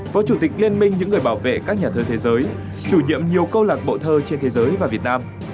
phó chủ tịch liên minh những người bảo vệ các nhà thơ thế giới chủ nhiệm nhiều câu lạc bộ thơ trên thế giới và việt nam